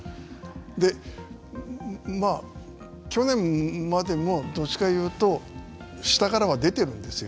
でまあ去年までもどっちかいうと下からは出てるんですよ。